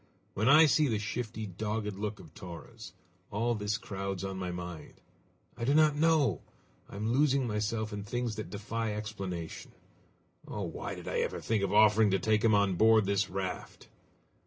When I see the shifty, dogged look of Torres, all this crowds on my mind. I do not know! I am losing myself in things that defy explanation! Oh! why did I ever think of offering to take him on board this raft?"